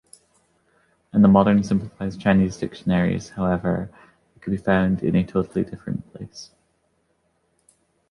In the modern simplified Chinese dictionaries, however, it could be found in a totally different place.